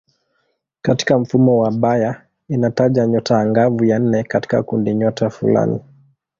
Katika mfumo wa Bayer inataja nyota angavu ya nne katika kundinyota fulani.